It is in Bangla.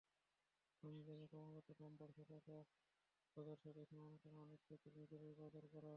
রমজানে ক্রমাগত দাম চড়তে থাকা বাজারসদাই সামলানো, অনেক ক্ষেত্রে নিজেরই বাজার করা।